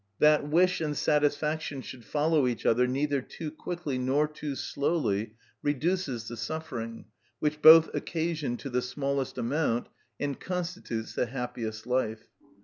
That wish and satisfaction should follow each other neither too quickly nor too slowly reduces the suffering, which both occasion to the smallest amount, and constitutes the happiest life.